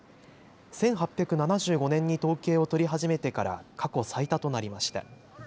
１８７５年に統計を取り始めてから過去最多となりました。